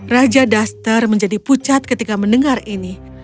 raja duster menjadi pucat ketika mendengar ini